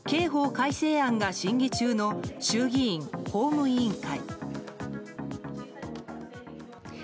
改正案が審議中の衆議院法務委員会。